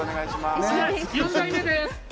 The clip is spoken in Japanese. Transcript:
４代目です。